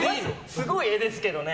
すごい画ですけどね。